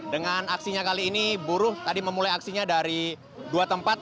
dengan aksinya kali ini buruh tadi memulai aksinya dari dua tempat